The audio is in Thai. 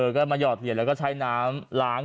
ก็มาหยอดเหรียญแล้วก็ใช้น้ำล้าง